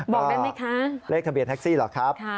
บอกได้ไหมคะเลขทะเบียนแท็กซี่เหรอครับ